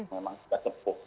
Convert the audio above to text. memang sudah sembuh